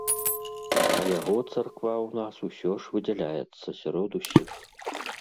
А яго царква ў нас усё ж выдзяляецца сярод усіх.